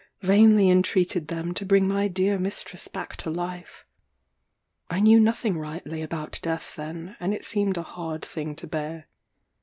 vainly entreated them to bring my dear mistress back to life. I knew nothing rightly about death then, and it seemed a hard thing to bear.